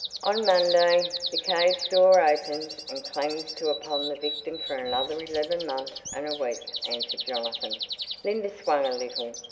"On Monday the cage door opens and clangs to upon the victim for another eleven months and a week," answered Jonathan. Linda swung a little.